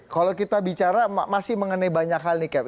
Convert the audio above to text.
kalau kita bicara masih mengenai banyak hal nih cap